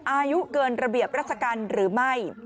อายุเกินระเบียบราชการหรือไม่